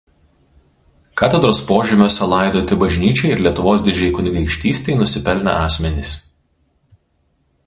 Katedros požemiuose laidoti Bažnyčiai ir Lietuvos Didžiajai Kunigaikštystei nusipelnę asmenys.